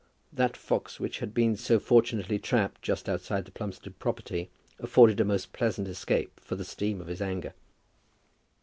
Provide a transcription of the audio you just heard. That fox which had been so fortunately trapped just outside the Plumstead property afforded a most pleasant escape for the steam of his anger.